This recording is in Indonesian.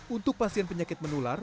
untuk pasien penyakit menular